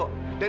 dan edo akan